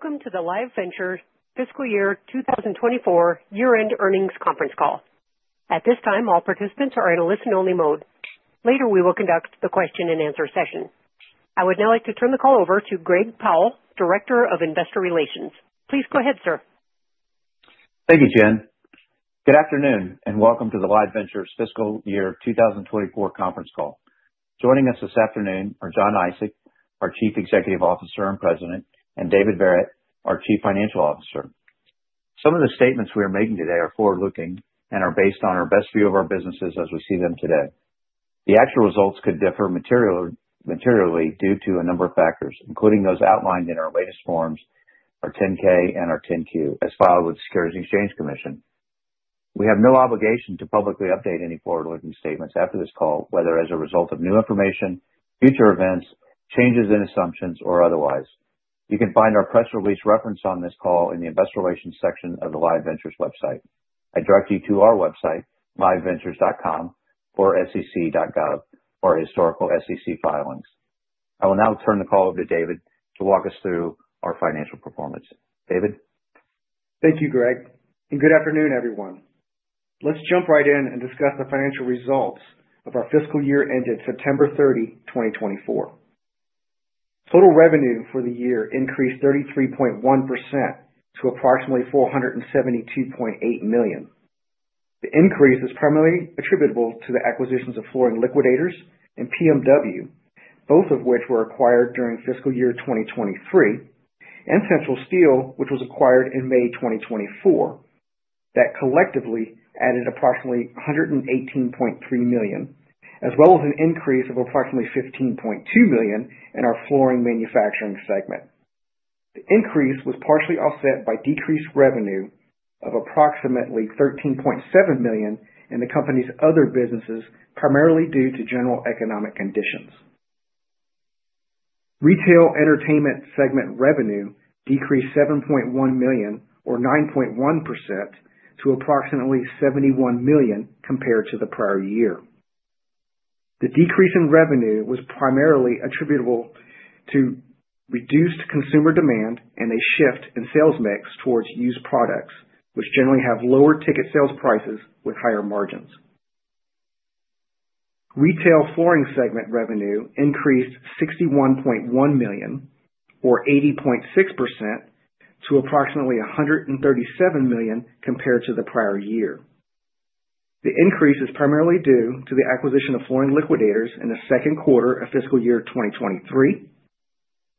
Welcome to the Live Ventures fiscal year 2024 year-end earnings conference call. At this time, all participants are in a listen-only mode. Later, we will conduct the question-and-answer session. I would now like to turn the call over to Greg Powell, Director of Investor Relations. Please go ahead, sir. Thank you, Jen. Good afternoon, and welcome to the Live Ventures fiscal year 2024 conference call. Joining us this afternoon are Jon Isaac, our Chief Executive Officer and President, and David Verret, our Chief Financial Officer. Some of the statements we are making today are forward-looking and are based on our best view of our businesses as we see them today. The actual results could differ materially due to a number of factors, including those outlined in our latest forms, our 10-K and our 10-Q, as filed with the Securities and Exchange Commission. We have no obligation to publicly update any forward-looking statements after this call, whether as a result of new information, future events, changes in assumptions, or otherwise. You can find our press release reference on this call in the Investor Relations section of the Live Ventures website. I direct you to our website, liveventures.com, or sec.gov, for our historical SEC filings. I will now turn the call over to David to walk us through our financial performance. David? Thank you, Greg. And good afternoon, everyone. Let's jump right in and discuss the financial results of our fiscal year ended September 30, 2024. Total revenue for the year increased 33.1% to approximately $472.8 million. The increase is primarily attributable to the acquisitions of Flooring Liquidators and PMW, both of which were acquired during fiscal year 2023, and Central Steel, which was acquired in May 2024. That collectively added approximately $118.3 million, as well as an increase of approximately $15.2 million in our flooring manufacturing segment. The increase was partially offset by decreased revenue of approximately $13.7 million in the company's other businesses, primarily due to general economic conditions. Retail entertainment segment revenue decreased $7.1 million, or 9.1%, to approximately $71 million compared to the prior year. The decrease in revenue was primarily attributable to reduced consumer demand and a shift in sales mix towards used products, which generally have lower ticket sales prices with higher margins. Retail flooring segment revenue increased $61.1 million, or 80.6%, to approximately $137 million compared to the prior year. The increase is primarily due to the acquisition of Flooring Liquidators in the second quarter of fiscal year 2023,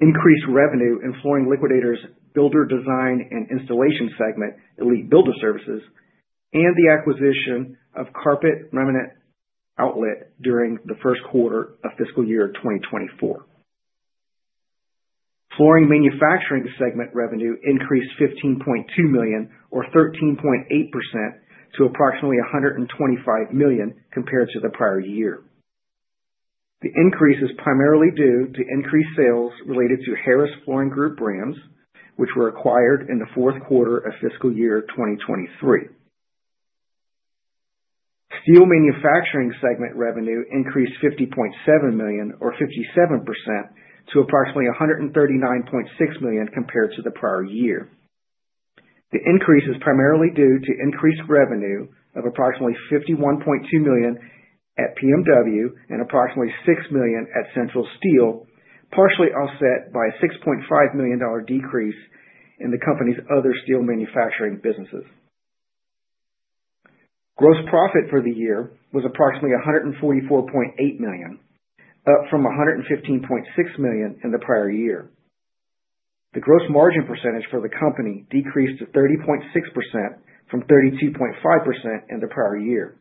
increased revenue in Flooring Liquidators' builder design and installation segment, Elite Builder Services, and the acquisition of Carpet Remnant Outlet during the first quarter of fiscal year 2024. Flooring manufacturing segment revenue increased $15.2 million, or 13.8%, to approximately $125 million compared to the prior year. The increase is primarily due to increased sales related to Harris Flooring Group brands, which were acquired in the fourth quarter of fiscal year 2023. Steel manufacturing segment revenue increased $50.7 million, or 57%, to approximately $139.6 million compared to the prior year. The increase is primarily due to increased revenue of approximately $51.2 million at PMW and approximately $6 million at Central Steel, partially offset by a $6.5 million decrease in the company's other steel manufacturing businesses. Gross profit for the year was approximately $144.8 million, up from $115.6 million in the prior year. The gross margin percentage for the company decreased to 30.6% from 32.5% in the prior year.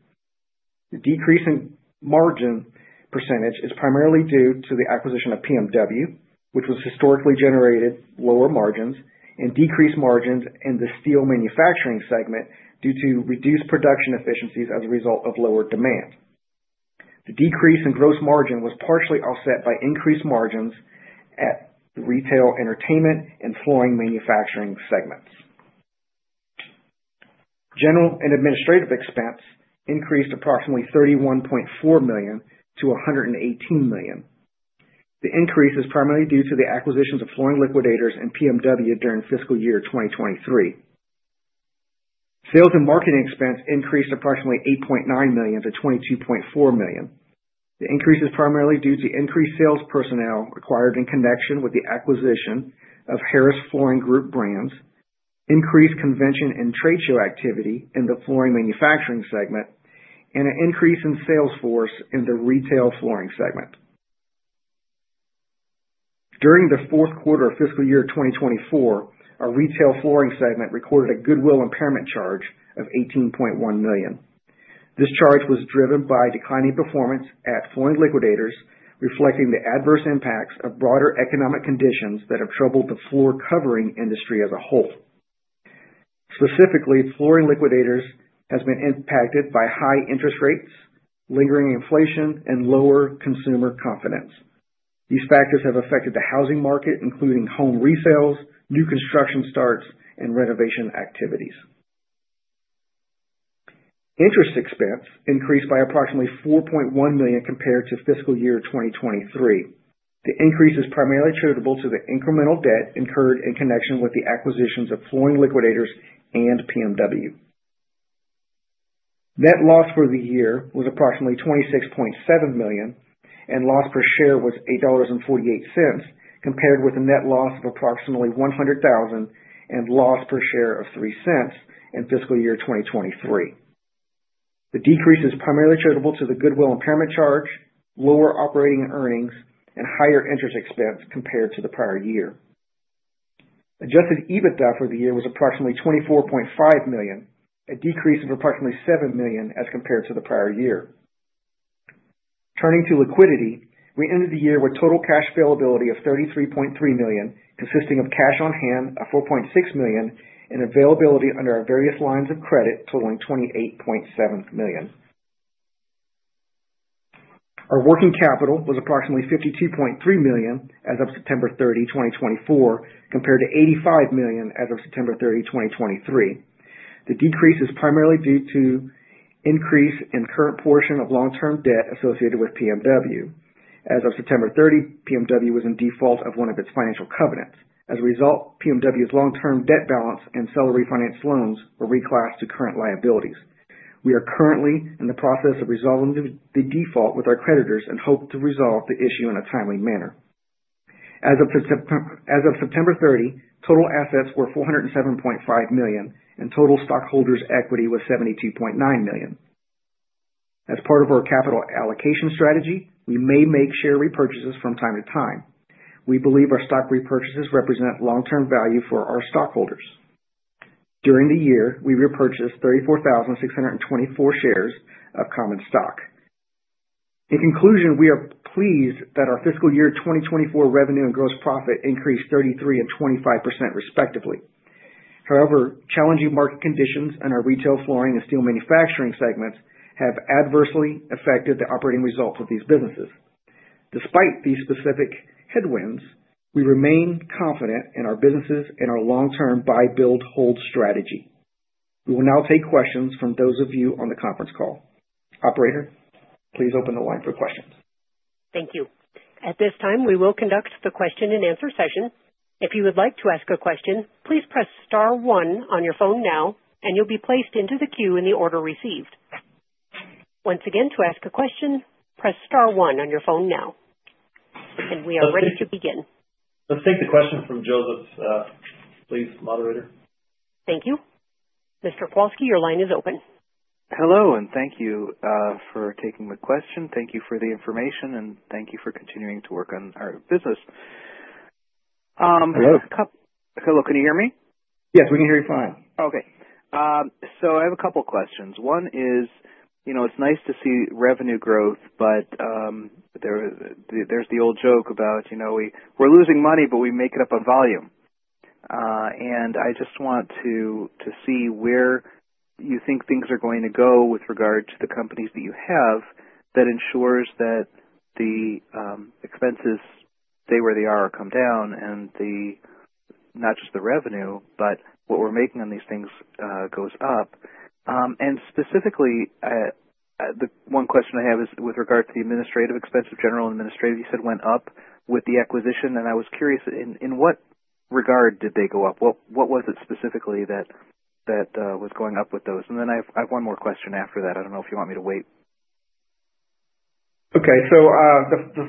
The decrease in margin percentage is primarily due to the acquisition of PMW, which was historically generated lower margins, and decreased margins in the steel manufacturing segment due to reduced production efficiencies as a result of lower demand. The decrease in gross margin was partially offset by increased margins at the retail entertainment and flooring manufacturing segments. General and administrative expense increased approximately $31.4 million to $118 million. The increase is primarily due to the acquisitions of Flooring Liquidators and PMW during fiscal year 2023. Sales and marketing expense increased approximately $8.9 million to $22.4 million. The increase is primarily due to increased sales personnel required in connection with the acquisition of Harris Flooring Group brands, increased convention and trade show activity in the flooring manufacturing segment, and an increase in sales force in the retail flooring segment. During the fourth quarter of fiscal year 2024, our retail flooring segment recorded a goodwill impairment Charge of $18.1 million. This charge was driven by declining performance at Flooring Liquidators, reflecting the adverse impacts of broader economic conditions that have troubled the floor covering industry as a whole. Specifically, Flooring Liquidators has been impacted by high interest rates, lingering inflation, and lower consumer confidence. These factors have affected the housing market, including home resales, new construction starts, and renovation activities. Interest expense increased by approximately $4.1 million compared to fiscal year 2023. The increase is primarily attributable to the incremental debt incurred in connection with the acquisitions of Flooring Liquidators and PMW. Net loss for the year was approximately $26.7 million, and loss per share was $8.48, compared with a net loss of approximately $100,000 and loss per share of $0.03 in fiscal year 2023. The decrease is primarily attributable to the goodwill impairment charge, lower operating earnings, and higher interest expense compared to the prior year. Adjusted EBITDA for the year was approximately $24.5 million, a decrease of approximately $7 million as compared to the prior year. Turning to liquidity, we ended the year with total cash availability of $33.3 million, consisting of cash on hand of $4.6 million and availability under our various lines of credit totaling $28.7 million. Our working capital was approximately $52.3 million as of September 30, 2024, compared to $85 million as of September 30, 2023. The decrease is primarily due to increase in current portion of long-term debt associated with PMW. As of September 30, PMW was in default of one of its financial covenants. As a result, PMW's long-term debt balance and seller-refinanced loans were reclassed to current liabilities. We are currently in the process of resolving the default with our creditors and hope to resolve the issue in a timely manner. As of September 30, total assets were $407.5 million, and total stockholders' equity was $72.9 million. As part of our capital allocation strategy, we may make share repurchases from time to time. We believe our stock repurchases represent long-term value for our stockholders. During the year, we repurchased 34,624 shares of common stock. In conclusion, we are pleased that our fiscal year 2024 revenue and gross profit increased 33% and 25%, respectively. However, challenging market conditions in our retail flooring and steel manufacturing segments have adversely affected the operating results of these businesses. Despite these specific headwinds, we remain confident in our businesses and our long-term buy-build-hold strategy. We will now take questions from those of you on the conference call. Operator, please open the line for questions. Thank you. At this time, we will conduct the question-and-answer session. If you would like to ask a question, please press star one on your phone now, and you'll be placed into the queue in the order received. Once again, to ask a question, press star one on your phone now. And we are ready to begin. Let's take the question from Joseph, please, Moderator. Thank you. Mr. Kowalsky, your line is open. Hello, and thank you for taking the question. Thank you for the information, and thank you for continuing to work on our business. Hello. Hello. Can you hear me? Yes, we can hear you fine. Okay. So I have a couple of questions. One is, you know, it's nice to see revenue growth, but there's the old joke about, you know, we're losing money, but we make it up on volume. And I just want to see where you think things are going to go with regard to the companies that you have that ensures that the expenses, stay where they are, or come down, and not just the revenue, but what we're making on these things goes up. And specifically, the one question I have is with regard to the administrative expenses. General and administrative, you said went up with the acquisition, and I was curious, in what regard did they go up? What was it specifically that was going up with those? And then I have one more question after that. I don't know if you want me to wait. Okay. So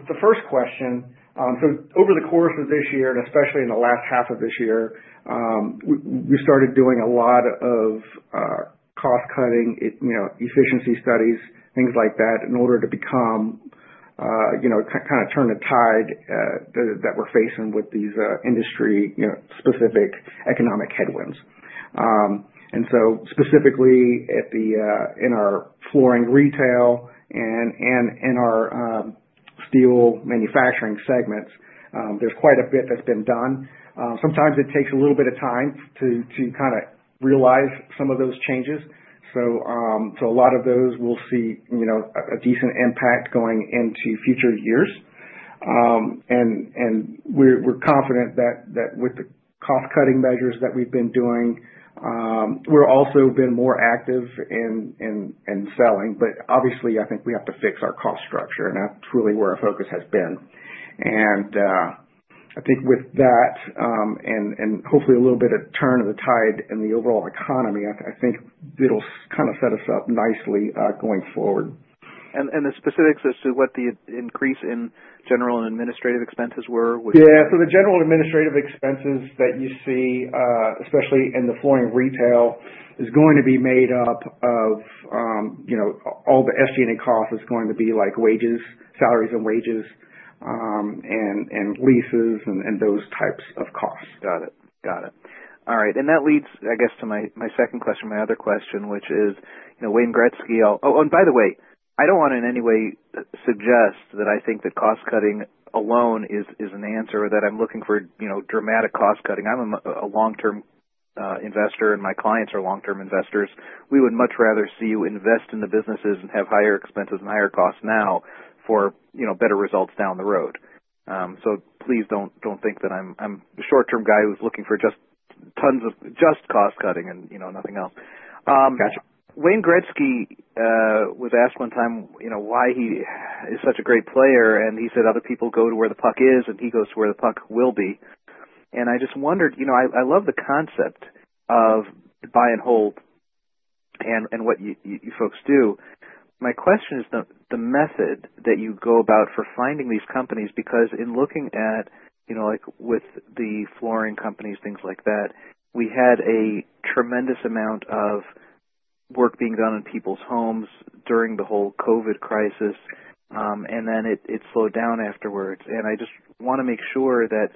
the first question, so over the course of this year, and especially in the last half of this year, we started doing a lot of cost-cutting, efficiency studies, things like that, in order to become, you know, kind of turn the tide that we're facing with these industry-specific economic headwinds. And so specifically in our flooring retail and in our steel manufacturing segments, there's quite a bit that's been done. Sometimes it takes a little bit of time to kind of realize some of those changes. So a lot of those will see, you know, a decent impact going into future years. And we're confident that with the cost-cutting measures that we've been doing, we're also been more active in selling. But obviously, I think we have to fix our cost structure, and that's really where our focus has been. And I think with that, and hopefully a little bit of turn of the tide in the overall economy, I think it'll kind of set us up nicely going forward. The specifics as to what the increase in general and administrative expenses were? Yeah, so the general and administrative expenses that you see, especially in the flooring retail, is going to be made up of, you know, all the SG&A costs is going to be like wages, salaries, and leases, and those types of costs. Got it. Got it. All right. And that leads, I guess, to my second question, my other question, which is, you know, Wayne Gretzky. Oh, and by the way, I don't want to in any way suggest that I think that cost-cutting alone is an answer or that I'm looking for, you know, dramatic cost-cutting. I'm a long-term investor, and my clients are long-term investors. We would much rather see you invest in the businesses and have higher expenses and higher costs now for, you know, better results down the road. So please don't think that I'm the short-term guy who's looking for just tons of just cost-cutting and, you know, nothing else. Gotcha. Wayne Gretzky was asked one time, you know, why he is such a great player, and he said other people go to where the puck is, and he goes to where the puck will be. And I just wondered, you know, I love the concept of buy-and-hold and what you folks do. My question is the method that you go about for finding these companies, because in looking at, you know, like with the flooring companies, things like that, we had a tremendous amount of work being done on people's homes during the whole COVID crisis, and then it slowed down afterwards. And I just want to make sure that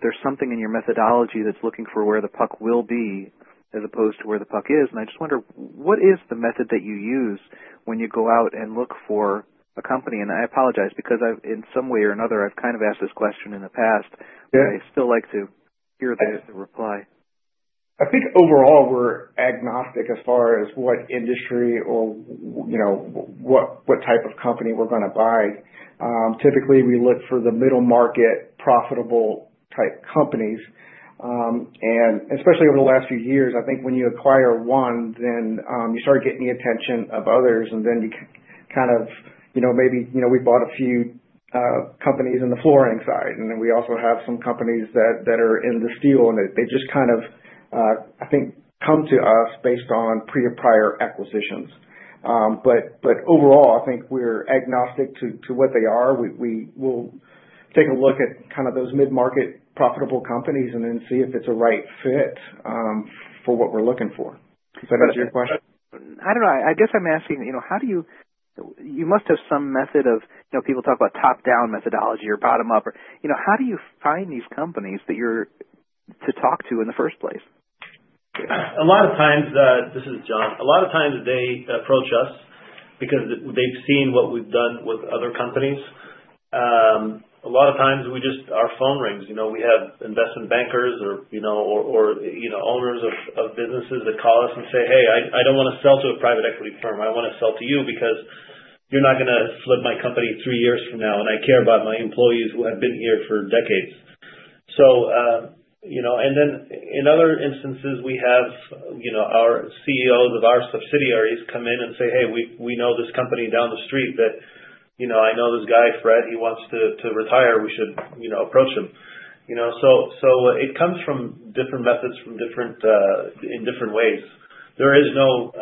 there's something in your methodology that's looking for where the puck will be as opposed to where the puck is. And I just wonder, what is the method that you use when you go out and look for a company? I apologize because in some way or another, I've kind of asked this question in the past, but I still like to hear the reply. I think overall we're agnostic as far as what industry or, you know, what type of company we're going to buy. Typically, we look for the middle market profitable type companies. And especially over the last few years, I think when you acquire one, then you start getting the attention of others, and then you kind of, you know, maybe, you know, we bought a few companies in the flooring side, and then we also have some companies that are in the steel, and they just kind of, I think, come to us based on prior acquisitions. But overall, I think we're agnostic to what they are. We will take a look at kind of those mid-market profitable companies and then see if it's a right fit for what we're looking for. Does that answer your question? I don't know. I guess I'm asking, you know, how do you—you must have some method of, you know, people talk about top-down methodology or bottom-up. You know, how do you find these companies that you're to talk to in the first place? A lot of times, this is Jon. A lot of times they approach us because they've seen what we've done with other companies. A lot of times we just, our phone rings. You know, we have investment bankers or, you know, owners of businesses that call us and say, "Hey, I don't want to sell to a private equity firm. I want to sell to you because you're not going to flip my company three years from now, and I care about my employees who have been here for decades." So, you know, and then in other instances, we have, you know, our CEOs of our subsidiaries come in and say, "Hey, we know this company down the street that, you know, I know this guy, Fred, he wants to retire. We should, you know, approach him." You know, so it comes from different methods in different ways. There is no,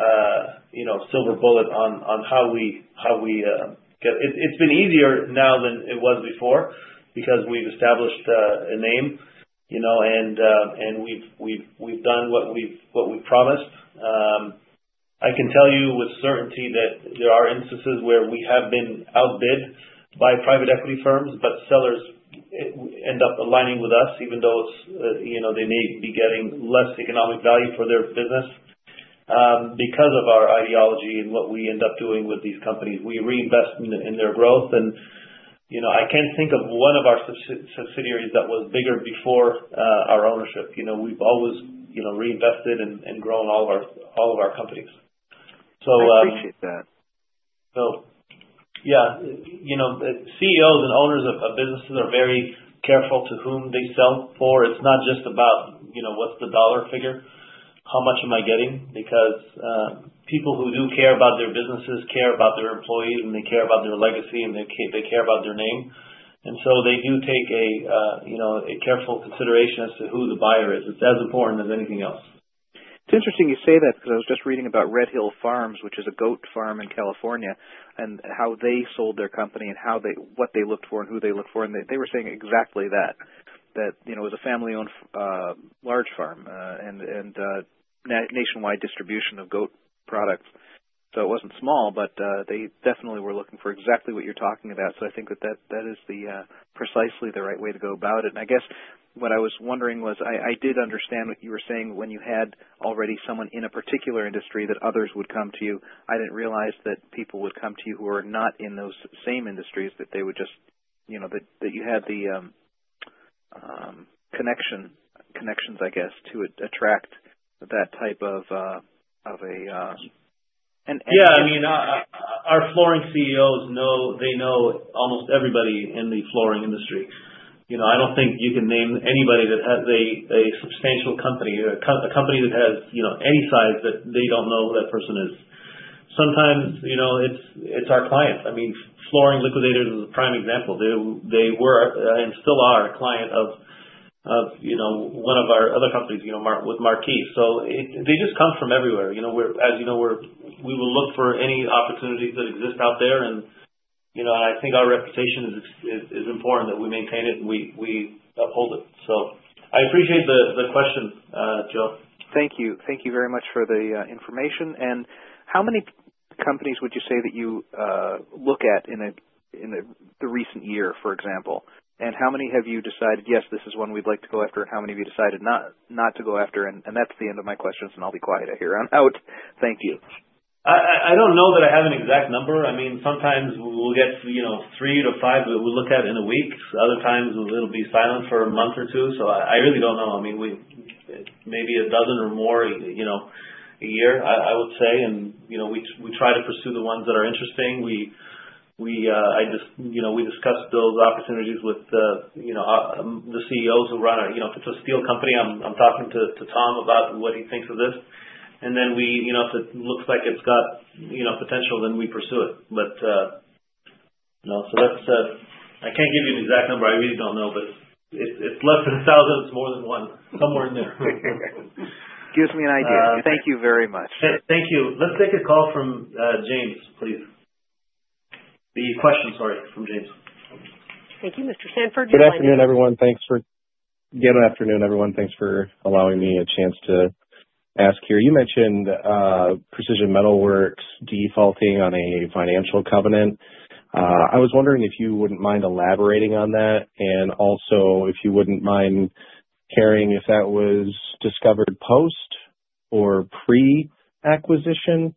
you know, silver bullet on how we get. It's been easier now than it was before because we've established a name, you know, and we've done what we promised. I can tell you with certainty that there are instances where we have been outbid by private equity firms, but sellers end up aligning with us, even though, you know, they may be getting less economic value for their business because of our ideology and what we end up doing with these companies. We reinvest in their growth, and, you know, I can't think of one of our subsidiaries that was bigger before our ownership. You know, we've always, you know, reinvested and grown all of our companies. I appreciate that. So yeah, you know, CEOs and owners of businesses are very careful to whom they sell for. It's not just about, you know, what's the dollar figure, how much am I getting, because people who do care about their businesses care about their employees, and they care about their legacy, and they care about their name. And so they do take a, you know, a careful consideration as to who the buyer is. It's as important as anything else. It's interesting you say that because I was just reading about Redwood Hill Farm & Creamery, which is a goat farm in California, and how they sold their company and what they looked for and who they looked for. And they were saying exactly that, that, you know, it was a family-owned large farm and nationwide distribution of goat products. So it wasn't small, but they definitely were looking for exactly what you're talking about. So I think that that is precisely the right way to go about it. And I guess what I was wondering was, I did understand what you were saying when you had already someone in a particular industry that others would come to you. I didn't realize that people would come to you who are not in those same industries, that they would just, you know, that you had the connections, I guess, to attract that type of a- Yeah. I mean, our flooring CEOs, they know almost everybody in the flooring industry. You know, I don't think you can name anybody that has a substantial company, a company that has, you know, any size that they don't know who that person is. Sometimes, you know, it's our clients. I mean, Flooring Liquidators is a prime example. They were and still are a client of, you know, one of our other companies, you know, with Marquis. So they just come from everywhere. You know, as you know, we will look for any opportunities that exist out there, and, you know, I think our reputation is important that we maintain it and we uphold it. So I appreciate the question, Joe. Thank you. Thank you very much for the information. And how many companies would you say that you look at in the recent year, for example? And how many have you decided, yes, this is one we'd like to go after, and how many have you decided not to go after? And that's the end of my questions, and I'll be quiet here on out. Thank you. I don't know that I have an exact number. I mean, sometimes we'll get, you know, three to five that we'll look at in a week. Other times it'll be silent for a month or two, so I really don't know. I mean, maybe a dozen or more, you know, a year, I would say, and you know, we try to pursue the ones that are interesting. We discuss those opportunities with, you know, the CEOs who run our, you know, if it's a steel company, I'm talking to Tom about what he thinks of this. And then we, you know, if it looks like it's got, you know, potential, then we pursue it, but you know, so that's. I can't give you an exact number. I really don't know, but it's less than a thousand. It's more than one, somewhere in there. Gives me an idea. Thank you very much. Thank you. Let's take a call from James, please. The question, sorry, from James. Thank you, Mr. Sanford. Good afternoon, everyone. Thanks for allowing me a chance to ask here. You mentioned Precision Metal Works defaulting on a financial covenant. I was wondering if you wouldn't mind elaborating on that, and also if you wouldn't mind sharing if that was discovered post or pre-acquisition,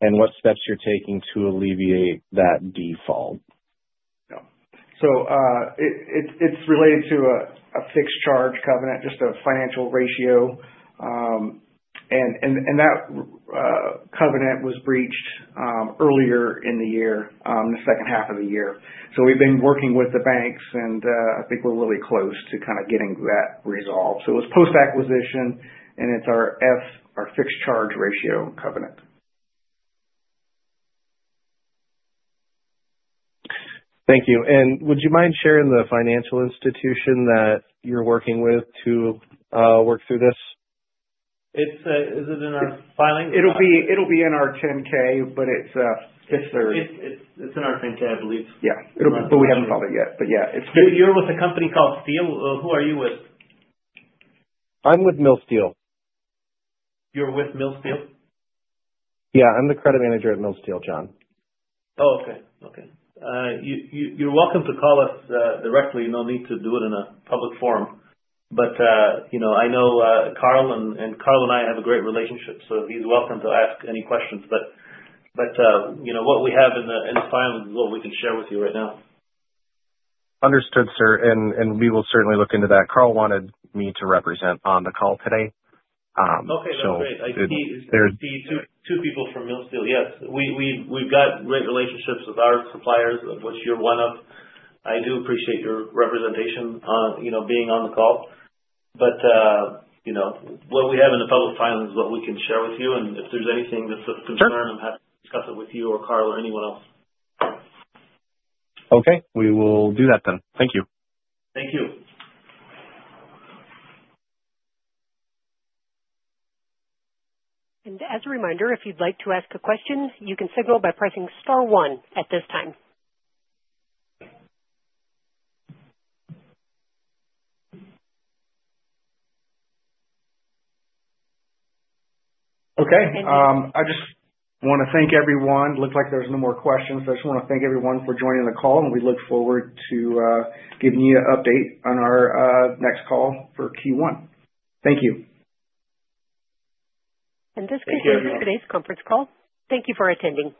and what steps you're taking to alleviate that default? So it's related to a fixed charge covenant, just a financial ratio. And that covenant was breached earlier in the year, in the second half of the year. So we've been working with the banks, and I think we're really close to kind of getting that resolved. So it was post-acquisition, and it's our F, our fixed charge ratio covenant. Thank you. And would you mind sharing the financial institution that you're working with to work through this? Is it in our filing? It'll be in our 10-K, but it's Third. It's in our 10-K, I believe. Yeah. But we haven't filed it yet. But yeah. You're with a company called Steel. Who are you with? I'm with Mill Steel. You're with Mill Steel? Yeah. I'm the credit manager at Mill Steel, John. Oh, okay. Okay. You're welcome to call us directly. You don't need to do it in a public forum. But, you know, I know Carl, and Carl and I have a great relationship, so he's welcome to ask any questions. But, you know, what we have in the filing is what we can share with you right now. Understood, sir. And we will certainly look into that. Carl wanted me to represent on the call today. Okay. That's great. There's two people from Mill Steel. Yes. We've got great relationships with our suppliers, which you're one of. I do appreciate your representation, you know, being on the call. But, you know, what we have in the public filing is what we can share with you. And if there's anything that's of concern, I'm happy to discuss it with you or Carl or anyone else. Okay. We will do that then. Thank you. Thank you. As a reminder, if you'd like to ask a question, you can signal by pressing star one at this time. Okay. I just want to thank everyone. It looks like there's no more questions. I just want to thank everyone for joining the call, and we look forward to giving you an update on our next call for Q1. Thank you. This concludes today's conference call. Thank you for attending.